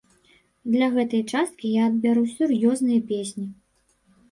Для гэтай часткі я адбяру сур'ёзныя песні.